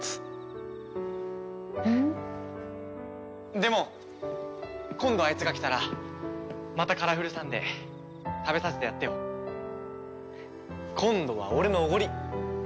でも今度あいつが来たらまたカラフルサンデー食べさせてやってよ。今度は俺のおごり。